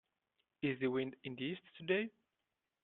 Is the wind in the east today?